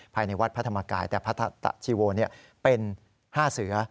ภายในวัดพระธรรมกายแต่พระตะชีโวเป็น๕เสือ